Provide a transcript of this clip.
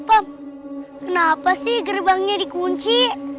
pak kenapa sih gerbangnya dikunci